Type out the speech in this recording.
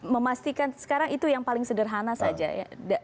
memastikan sekarang itu yang paling sederhana saja ya